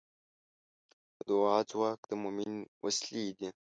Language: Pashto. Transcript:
د دعا ځواک د مؤمن وسلې ده.